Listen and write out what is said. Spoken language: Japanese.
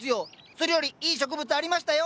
それよりいい植物ありましたよ！